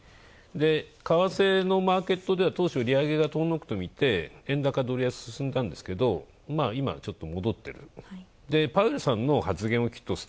為替のマーケットでは当初、利上げが遠のくと見て円高ドル安、進んだんですけど、今は戻っている。